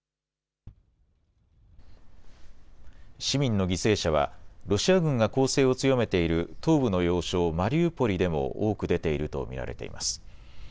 市民の犠牲者はロシア軍が攻勢を強めている東部の要衝マリウポリでも多く出ていると見られています。